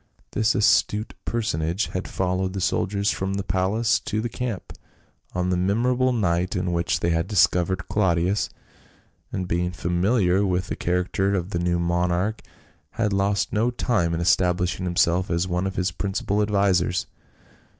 This astute personage had followed the soldiers from the palace to the camp on the memor able night in which they had discovered Claudius, and being familiar 'ith the character of the new monarch had lost no time in establishing himself as one of his principal advisers.